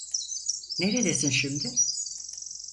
Neredesin şimdi?